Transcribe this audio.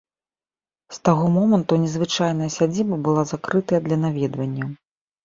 З таго моманту незвычайная сядзіба была закрытая для наведванняў.